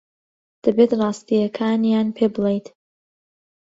دەبێت ڕاستییەکانیان پێ بڵێیت.